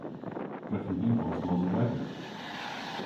Drefen hy bos losoweger.